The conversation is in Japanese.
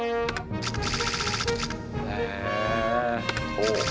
ほう。